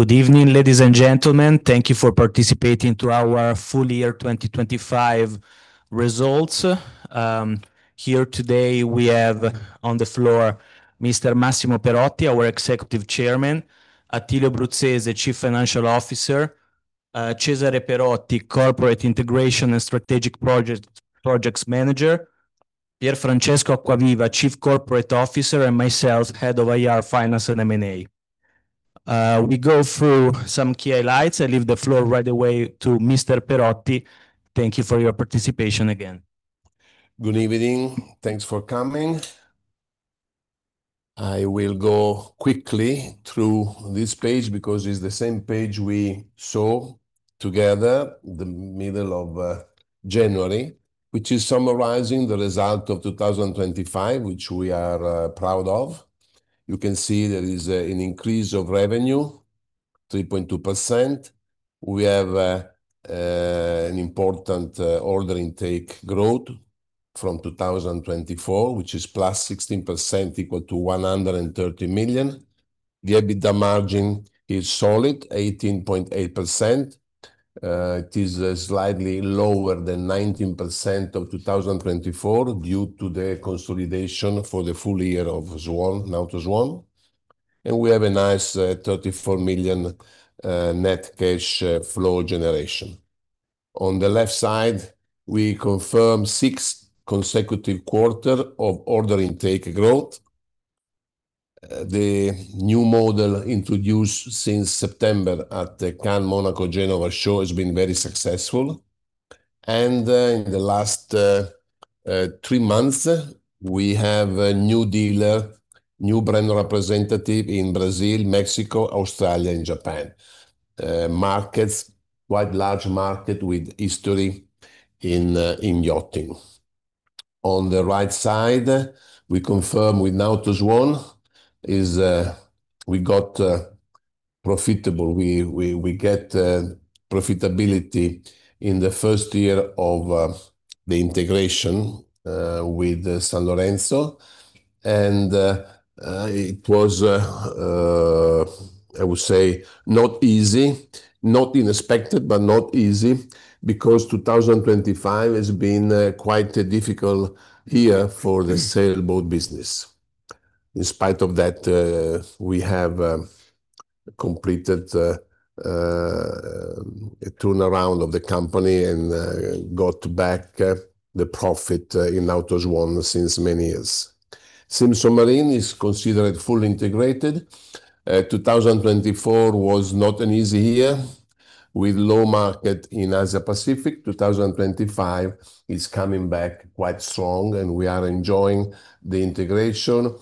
Good evening, ladies and gentlemen. Thank you for participating to our full year 2025 results. Here today we have on the floor Mr. Massimo Perotti, our Executive Chairman, Attilio Bruzzese, Chief Financial Officer, Cesare Perotti, Corporate Integration and Strategic Projects Manager, Pier Francesco Acquaviva, Chief Corporate Officer, and myself, Head of IR, Finance, and M&A. We go through some key highlights. I leave the floor right away to Mr. Perotti. Thank you for your participation again. Good evening. Thanks for coming. I will go quickly through this page because it's the same page we saw together the middle of January, which is summarizing the result of 2025, which we are proud of. You can see there is an increase of revenue, 3.2%. We have an important order intake growth from 2024, which is plus 16% equal to 130 million. The EBITDA margin is solid, 18.8%. It is slightly lower than 19% of 2024 due to the consolidation for the full year of Nautor Swan. We have a nice 34 million net cash flow generation. On the left side, we confirm six consecutive quarter of order intake growth. The new model introduced since September at the Cannes Monaco Genoa show has been very successful. In the last three months, we have a new dealer, new brand representative in Brazil, Mexico, Australia, and Japan. Markets, quite large market with history in yachting. On the right side, we confirm with Nautor Swan is we got profitable. We get profitability in the first year of the integration with Sanlorenzo. It was, I would say not easy, not unexpected, but not easy because 2025 has been quite a difficult year for the sailboat business. In spite of that, we have completed a turnaround of the company and got back the profit in Nautor Swan since many years. Simpson Marine is considered fully integrated. 2024 was not an easy year with low market in Asia Pacific. 2025 is coming back quite strong, and we are enjoying the integration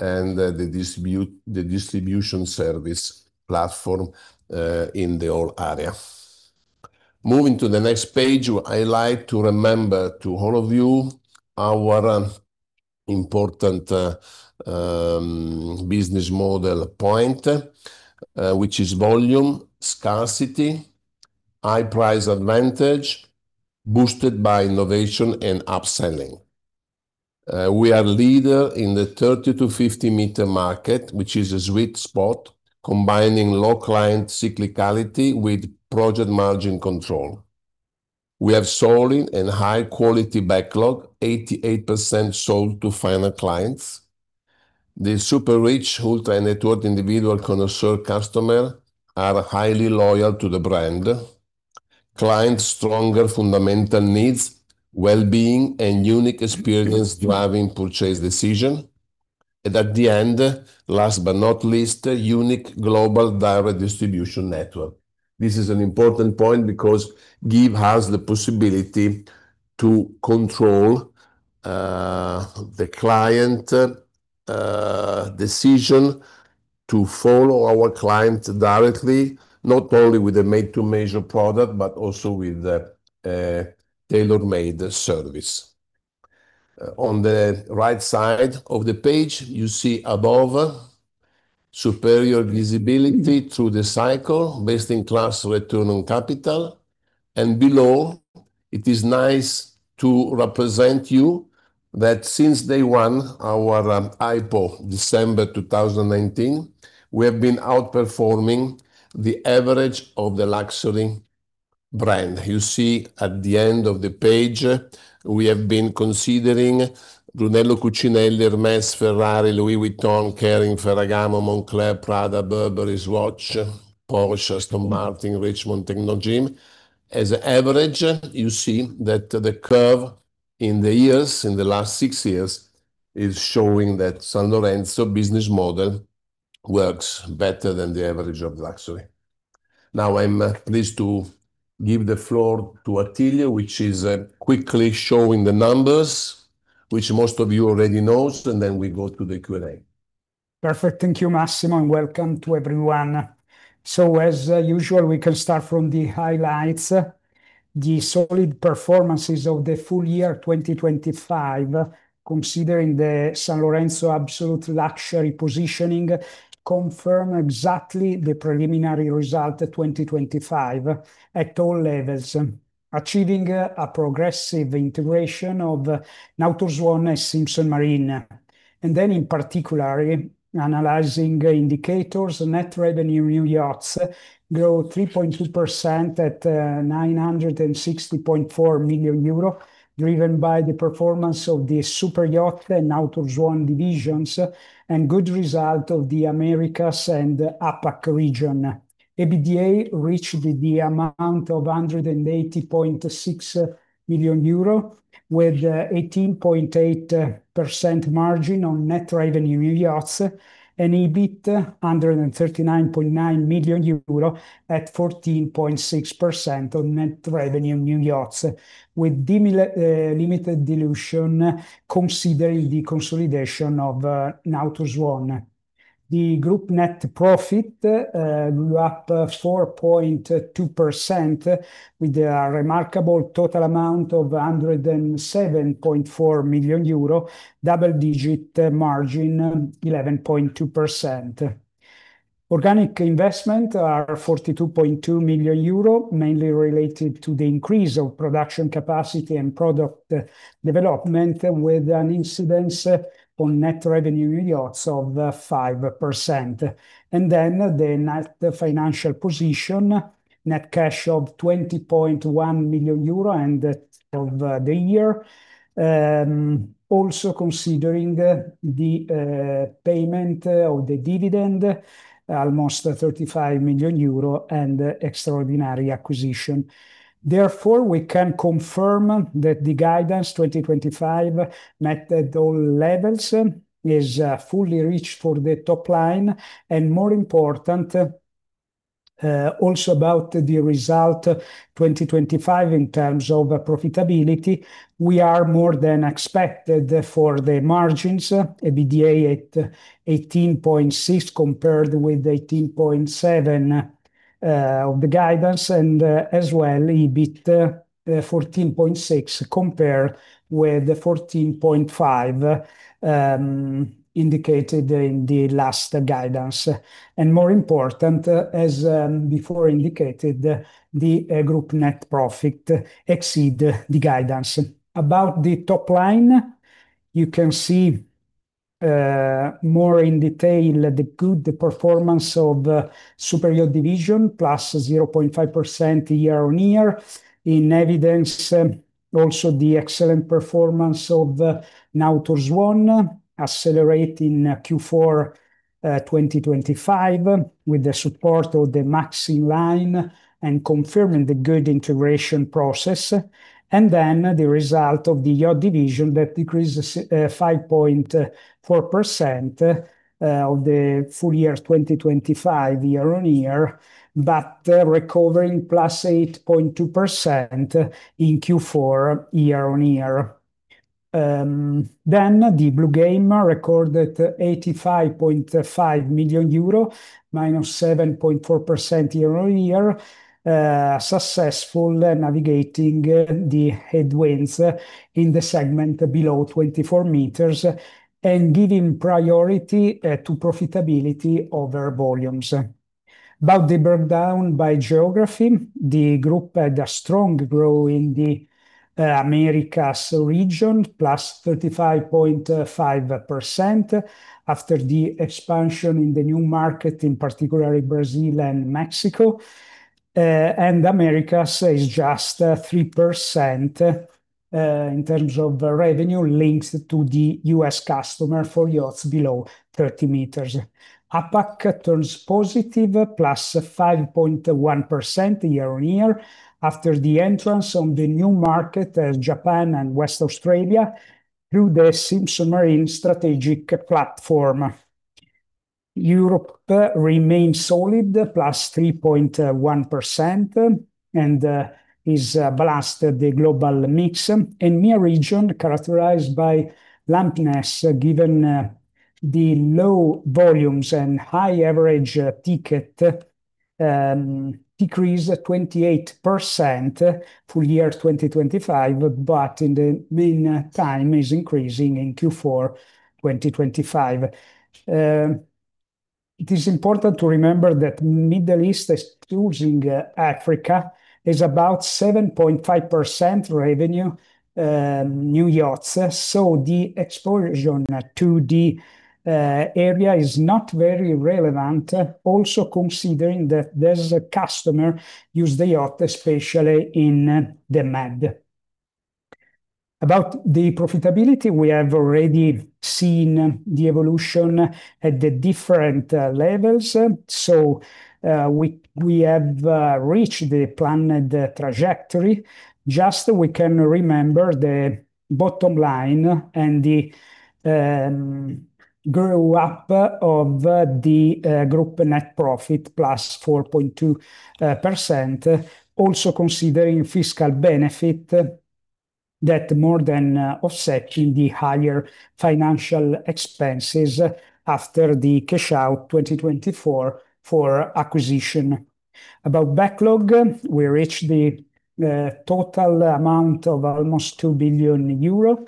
and the distribution service platform in the whole area. Moving to the next page, I like to remember to all of you our important business model point, which is volume, scarcity, high price advantage, boosted by innovation and upselling. We are leader in the 30 m-50 m market, which is a sweet spot, combining low client cyclicality with project margin control. We have solid and high quality backlog, 88% sold to final clients. The super-rich, ultra-net worth individual connoisseur customer are highly loyal to the brand. Client stronger fundamental needs, well-being, and unique experience driving purchase decision. At the end, last but not least, a unique global direct distribution network. This is an important point because give us the possibility to control the client decision to follow our client directly, not only with a made-to-measure product, but also with a tailor-made service. On the right side of the page, you see above, superior visibility through the cycle, best-in-class return on capital. Below, it is nice to represent you that since day one, our IPO, December 2019, we have been outperforming the average of the luxury brand. You see at the end of the page, we have been considering Brunello Cucinelli, Hermès, Ferrari, Louis Vuitton, Kering, Ferragamo, Moncler, Prada, Burberry watch, Porsche, Aston Martin, Richemont, Technogym. As average, you see that the curve in the years, in the last six years, is showing that Sanlorenzo business model works better than the average of luxury. Now I'm pleased to give the floor to Attilio, which is quickly showing the numbers, which most of you already knows, and then we go to the Q&A. Perfect. Thank you, Massimo, and welcome to everyone. As usual, we can start from the highlights. The solid performances of the full year 2025, considering the Sanlorenzo absolute luxury positioning, confirm exactly the preliminary result of 2025 at all levels. Achieving a progressive integration of Nautor Swan and Simpson Marine. In particular, analyzing indicators, net revenue new yachts grow 3.2% at 960.4 million euro, driven by the performance of the superyacht and Nautor Swan divisions, and good result of the Americas and the APAC region. EBITDA reached the amount of 180.6 million euro, with 18.8% margin on net revenue new yachts. EBIT under 39.9 million euro at 14.6% on net revenue new yachts, with limited dilution considering the consolidation of Nautor Swan. The group net profit grew up 4.2% with a remarkable total amount of 107.4 million euro, double-digit margin 11.2%. Organic investment are 42.2 million euro, mainly related to the increase of production capacity and product development, with an incidence on net revenue new yachts of 5%. The net financial position, net cash of 20.1 million euro end of the year, also considering the payment of the dividend, almost 35 million euro and extraordinary acquisition. Therefore, we can confirm that the guidance 2025 met at all levels, is fully reached for the top line, more important, also about the result 2025 in terms of profitability, we are more than expected for the margins. EBITDA at 18.6 compared with 18.7 of the guidance, as well, EBIT 14.6 compare with the 14.5 indicated in the last guidance. More important, as before indicated, the group net profit exceed the guidance. About the top line, you can see more in detail the good performance of superyacht division, +0.5% year-on-year, in evidence, also the excellent performance of Nautor Swan accelerating Q4 2025, with the support of the Maxi line and confirming the good integration process. The result of the Yacht Division that decreases 5.4% of the full year 2025 year-on-year, recovering +8.2% in Q4 year-on-year. The Bluegame recorded EUR 85.5 million, -7.4% year-on-year, successful navigating the headwinds in the segment below 24 m, and giving priority to profitability over volumes. About the breakdown by geography, the group had a strong growth in the Americas region, +35.5%, after the expansion in the new market, in particular Brazil and Mexico. Americas is just 3% in terms of revenue linked to the U.S. customer for yachts below 30 m. APAC turns positive, +5.1% year-on-year, after the entrance on the new market, Japan and West Australia, through the Simpson Marine strategic platform. Europe remains solid, plus 3.1%, and is balanced the global mix. MEA region, characterized by lumpiness given the low volumes and high average ticket, decreased 28% full year 2025, but in the meantime is increasing in Q4 2025. It is important to remember that Middle East excluding Africa is about 7.5% revenue, new yachts. The exposure to the area is not very relevant, also considering that there's a customer use the yacht, especially in the Med. About the profitability, we have already seen the evolution at the different levels. We have reached the planned trajectory. Just we can remember the bottom line and the grow up of the group net profit, +4.2%, also considering fiscal benefit that more than offsetting the higher financial expenses after the cash out 2024 for acquisition. About backlog, we reached the total amount of almost 2 billion euro.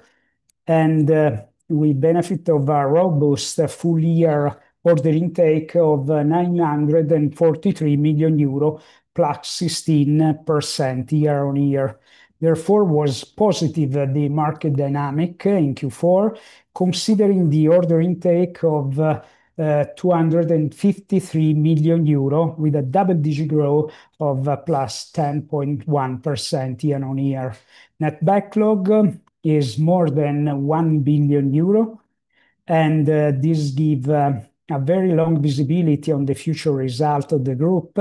We benefit of a robust full year order intake of 943 million euro, +16% year-on-year. Therefore, was positive the market dynamic in Q4, considering the order intake of 253 million euro with a double-digit growth of +10.1% year-on-year. Net backlog is more than 1 billion euro, and this give a very long visibility on the future result of the group,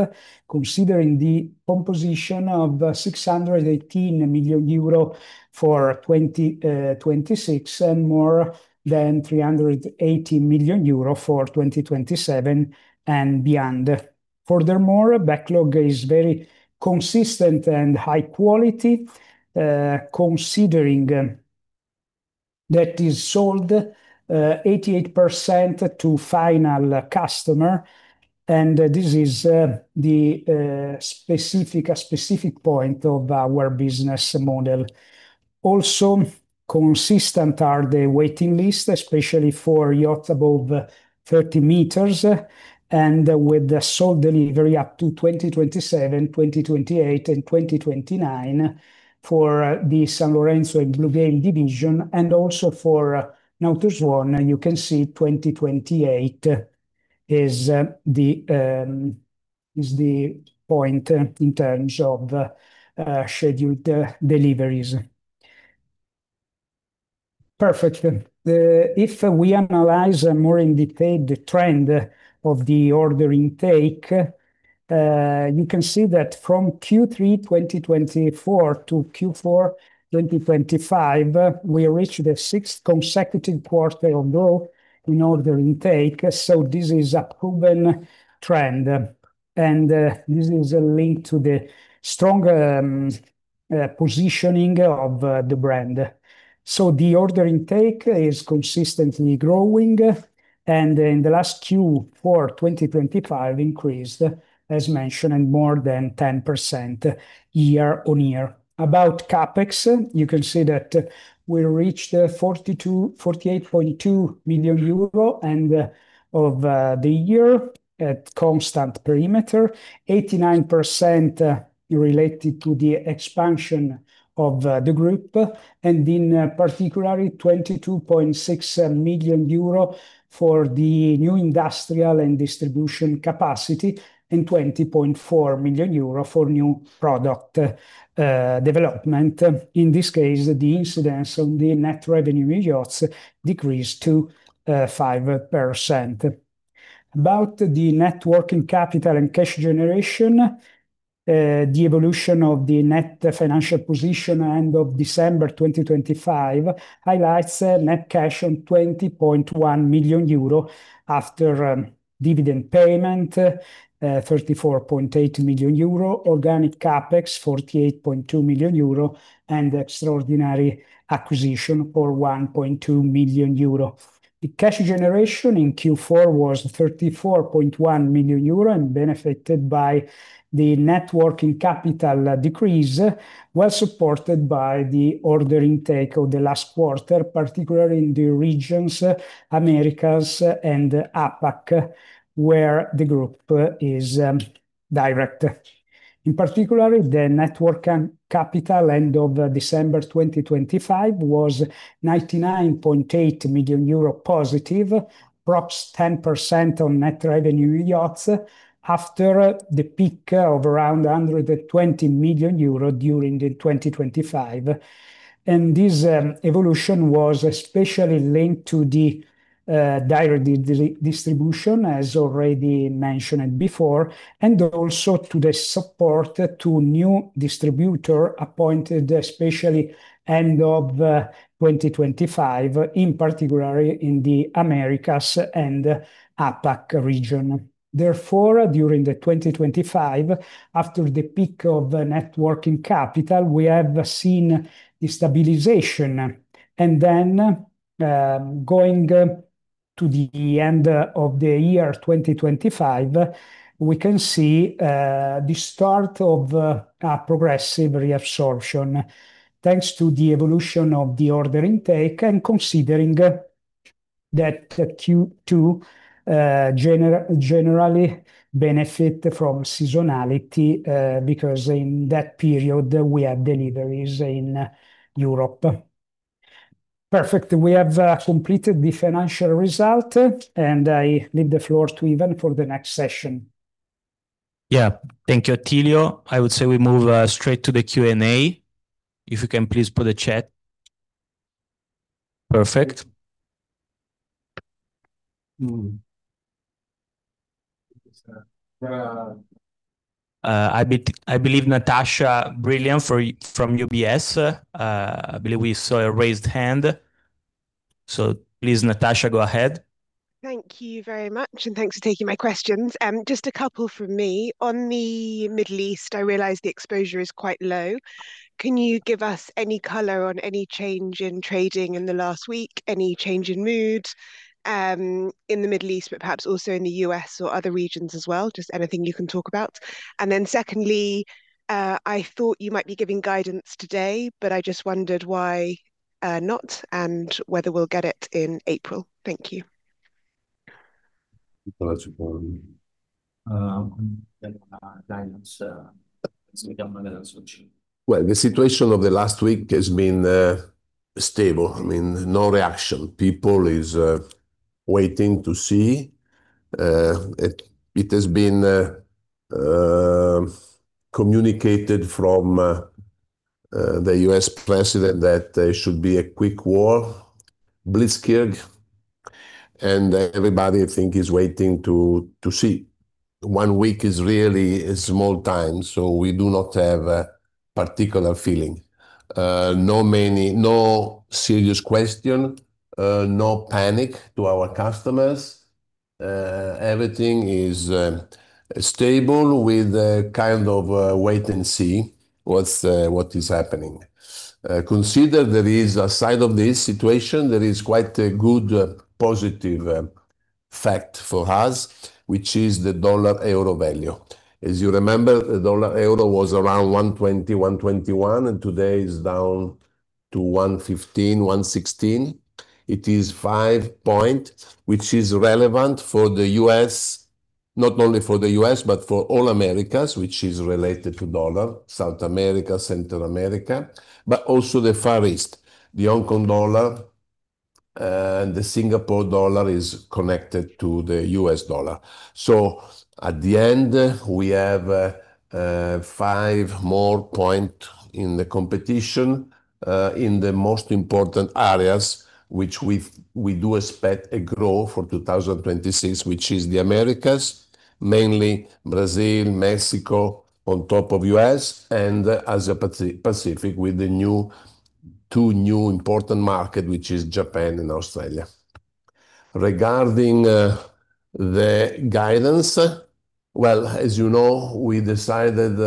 considering the composition of 618 million euro for 2026, and more than 380 million euro for 2027 and beyond. Furthermore, backlog is very consistent and high quality, considering that is sold 88% to final customer, and this is a specific point of our business model. Also, consistent are the waiting list, especially for yachts above 30 m, and with the sold delivery up to 2027, 2028 and 2029 for the Sanlorenzo and Bluegame division, and also for Nautor Swan, you can see 2028 is the point in terms of scheduled deliveries. Perfect. If we analyze more in detail the trend of the order intake, you can see that from Q3 2024 to Q4 2025, we reached the sixth consecutive quarter of growth in order intake. This is a proven trend, and this is a link to the strong positioning of the brand. The order intake is consistently growing, and in the last Q4 2025 increased, as mentioned, and more than 10% year-on-year. About CapEx, you can see that we reached 48.2 million euro of the year at constant perimeter, 89% related to the expansion of the group, and in particular, 22.6 million euro for the new industrial and distribution capacity and 20.4 million euro for new product development. In this case, the incidence on the net revenue in yachts decreased to 5%. About the net working capital and cash generation, the evolution of the net financial position end of December 2025 highlights net cash on 20.1 million euro after dividend payment, 34.8 million euro, organic CapEx 48.2 million euro and extraordinary acquisition for 1.2 million euro. The cash generation in Q4 was 34.1 million euro and benefited by the net working capital decrease, well supported by the order intake of the last quarter, particularly in the regions Americas and APAC, where the group is direct. In particular, the net working capital end of December 2025 was 99.8 million euro positive, props 10% on net revenue yachts after the peak of around 120 million euro during 2025. This evolution was especially linked to the direct distribution, as already mentioned before, and also to the support to new distributor appointed, especially end of 2025, in particular in the Americas and APAC region. During 2025, after the peak of net working capital, we have seen the stabilization. Going to the end of the year, 2025, we can see the start of a progressive reabsorption thanks to the evolution of the order intake and considering that Q2 generally benefit from seasonality because in that period we have deliveries in Europe. Perfect. We have completed the financial result, and I leave the floor to Ivan for the next session. Yeah. Thank you, Attilio. I would say we move straight to the Q&A. If you can please put the chat. Perfect. I believe Natasha Brilliant from UBS. I believe we saw a raised hand. Please, Natasha, go ahead. Thank you very much, and thanks for taking my questions. Just a couple from me. On the Middle East, I realize the exposure is quite low. Can you give us any color on any change in trading in the last week? Any change in mood, in the Middle East, but perhaps also in the U.S. or other regions as well? Just anything you can talk about? Then secondly, I thought you might be giving guidance today, but I just wondered why not and whether we'll get it in April? Thank you. The situation of the last week has been stable. I mean, no reaction. People is waiting to see. It, it has been communicated from the U.S. president that there should be a quick war, blitzkrieg, and everybody I think is waiting to see. One week is really a small time. We do not have a particular feeling. No serious question, no panic to our customers. Everything is stable with a kind of a wait and see what's what is happening. Consider there is a side of this situation that is quite a good, positive fact for us, which is the dollar/euro value. As you remember, the dollar/euro was around 120, EURO 121, and today is down to EURO 115, EURO 116. It is five point, which is relevant for the U.S., not only for the U.S., but for all Americas, which is related to dollar, South America, Central America, but also the Far East. The Hong Kong dollar and the Singapore dollar is connected to the U.S. dollar. At the end, we have five more point in the competition in the most important areas which we do expect a growth for 2026, which is the Americas, mainly Brazil, Mexico on top of U.S., and Asia Pacific with the two new important market, which is Japan and Australia. Regarding the guidance, well, as you know, we decided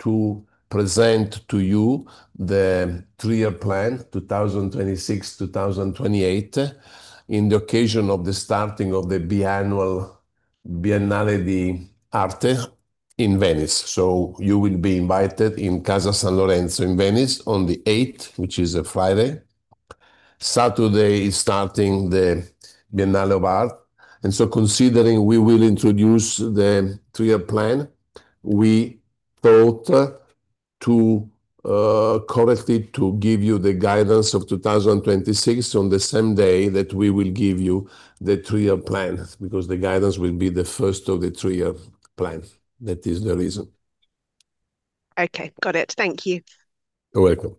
to present to you the three-year plan, 2026-2028, in the occasion of the starting of the biannual Biennale di Arte in Venice. You will be invited in Casa Sanlorenzo in Venice on the 8th, which is a Friday. Saturday is starting the Biennale of Art. Considering we will introduce the three-year plan, we thought to correctly to give you the guidance of 2026 on the same day that we will give you the three-year plan because the guidance will be the first of the three-year plan. That is the reason. Okay. Got it. Thank you. You're welcome.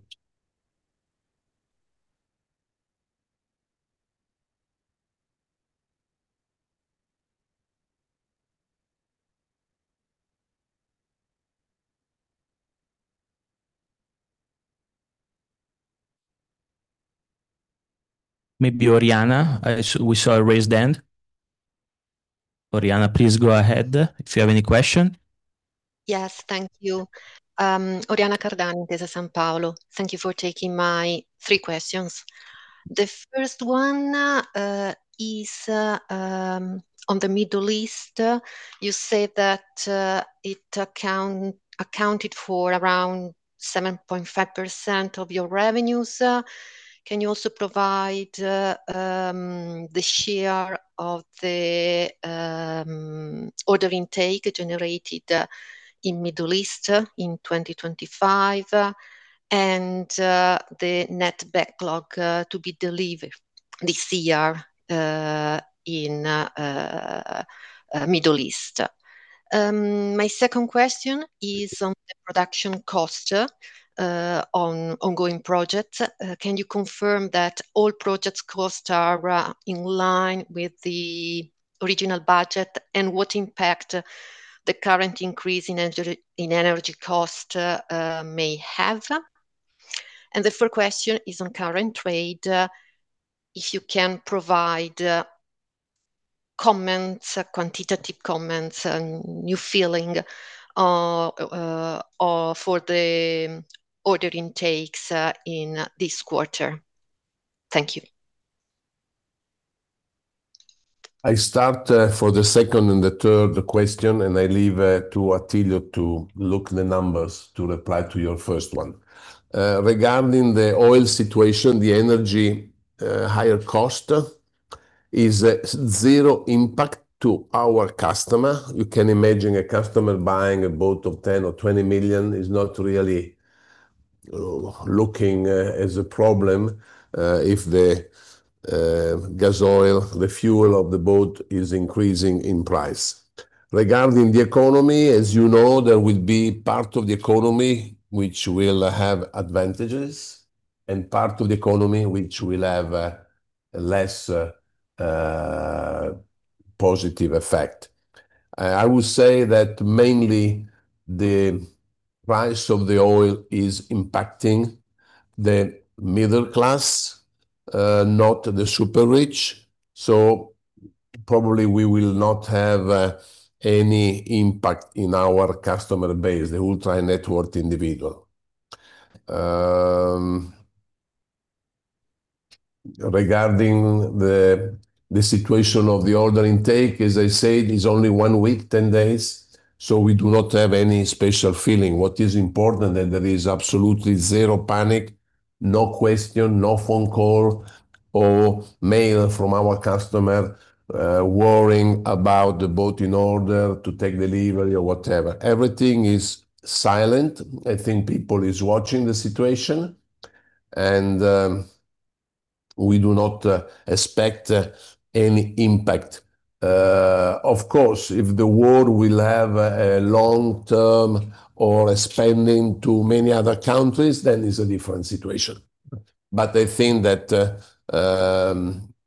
Maybe Oriana. We saw a raised hand. Oriana, please go ahead if you have any question. Yes. Thank you. Oriana Cardani, Intesa Sanpaolo. Thank you for taking my three questions. The first one is on the Middle East. You said that it accounted for around 7.5% of your revenues. Can you also provide the share of the order intake generated in Middle East in 2025 and the net backlog to be delivered this year in Middle East? My second question is on the production cost on ongoing projects. Can you confirm that all projects cost are in line with the original budget, and what impact the current increase in energy cost may have? The third question is on current trade, if you can provide comments, quantitative comments on your feeling for the order intakes in this quarter? Thank you. I start for the second and the third question, and I leave to Attilio to look the numbers to reply to your first one. Regarding the oil situation, the energy higher cost is zero impact to our customer. You can imagine a customer buying a boat of 10 or 20 million is not really looking as a problem if the gas oil, the fuel of the boat is increasing in price. Regarding the economy, as you know, there will be part of the economy which will have advantages and part of the economy which will have a less positive effect. I would say that mainly the price of the oil is impacting the middle class, not the super-rich, so probably we will not have any impact in our customer base, the ultra net worth individual. Regarding the situation of the order intake, as I said, it's only one week, 10 days, we do not have any special feeling. What is important that there is absolutely zero panic. No question, no phone call or mail from our customer, worrying about the boat in order to take delivery or whatever. Everything is silent. I think people is watching the situation, we do not expect any impact. Of course, if the war will have a long-term or expanding to many other countries, then it's a different situation. I think that,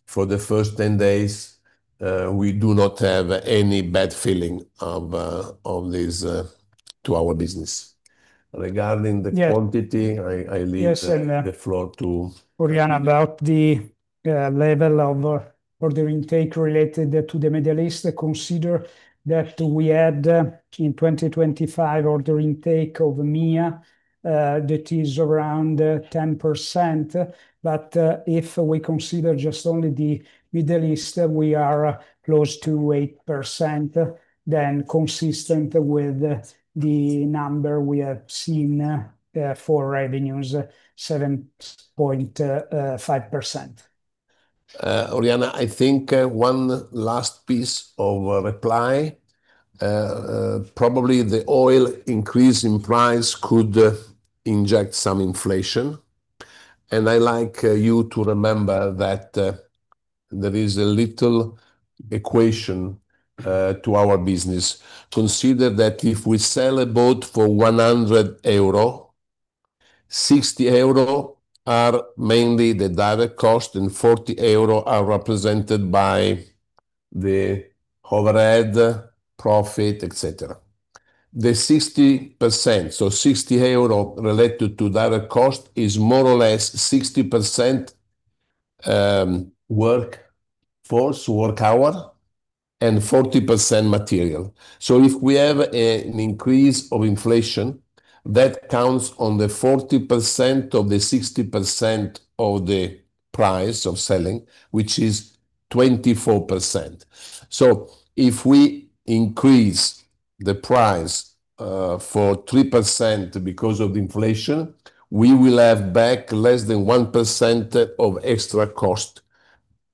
for the first 10 days, we do not have any bad feeling of this to our business. Yeah.... Quantity, I Yes.... The floor Oriana, about the level of order intake related to the Middle East, consider that we had in 2025 order intake of EMEA that is around 10%. If we consider just only the Middle East, we are close to 8%, consistent with the number we have seen for revenues, 7.5%. Oriana, I think, one last piece of reply. Probably the oil increase in price could inject some inflation. I like you to remember that there is a little equation to our business. Consider that if we sell a boat for 100 euro, 60 euro are mainly the direct cost, and 40 euro are represented by the overhead profit, et cetera. The 60%, so 60 euro related to direct cost, is more or less 60% work force, work hour, and 40% material. If we have an increase of inflation, that counts on the 40% of the 60% of the price of selling, which is 24%. If we increase the price for 3% because of inflation, we will have back less than 1% of extra cost.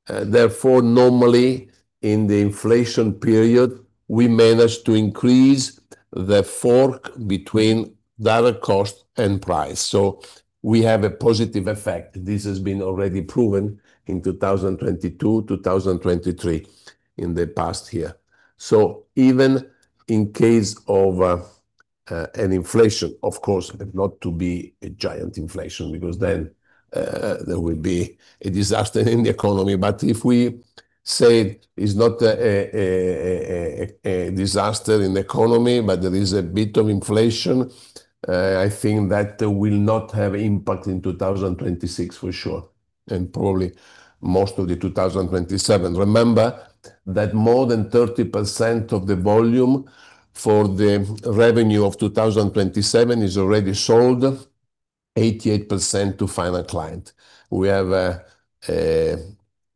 Therefore, normally in the inflation period, we manage to increase the fork between direct cost and price. We have a positive effect. This has been already proven in 2022, 2023, in the past year. Even in case of an inflation, of course, if not to be a giant inflation, because then there will be a disaster in the economy. If we say it's not a disaster in the economy, but there is a bit of inflation, I think that will not have impact in 2026 for sure, and probably most of the 2027. Remember that more than 30% of the volume for the revenue of 2027 is already sold 88% to final client. We have a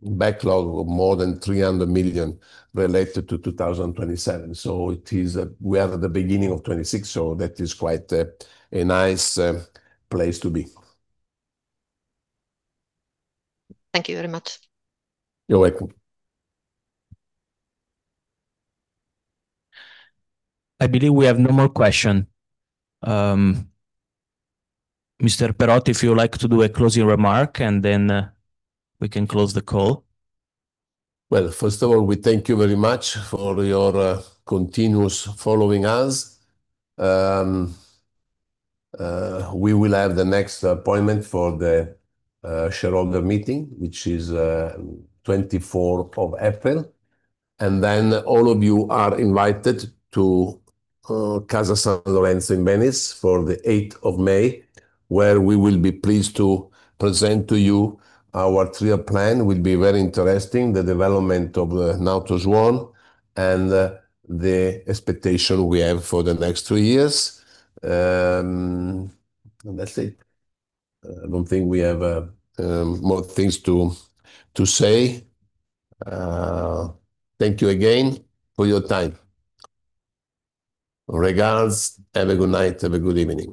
backlog of more than 300 million related to 2027. We are at the beginning of 2026. That is quite a nice place to be. Thank you very much. You're welcome. I believe we have no more question. Mr. Perotti, if you would like to do a closing remark, and then we can close the call. Well, first of all, we thank you very much for your continuous following us. We will have the next appointment for the shareholder meeting, which is 24th of April. All of you are invited to Ca' Sagredo in Venice for the 8th of May, where we will be pleased to present to you our trio plan. Will be very interesting, the development of the Nautor Swan and the expectation we have for the next two years. That's it. I don't think we have more things to say. Thank you again for your time. Regards. Have a good night. Have a good evening.